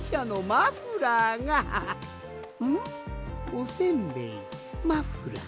おせんべいマフラー